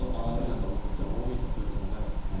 ああ何かこっちも５五銀とかそういう手を考えますもんね。